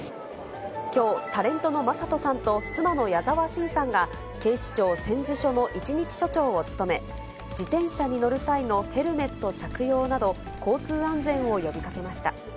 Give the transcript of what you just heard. きょう、タレントの魔裟斗さんと妻の矢沢心さんが、警視庁千住署の一日署長を務め、自転車に乗る際のヘルメット着用など、交通安全を呼びかけました。